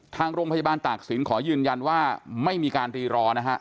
ทางโรงพยาบาลตากศิลป์ขอยืนยันว่าไม่มีการรีรอนะฮะ